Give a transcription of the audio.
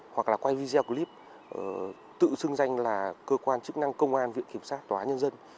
hoặc là quay video clip tự xưng danh là cơ quan chức năng công an viện kiểm sát tòa án nhân dân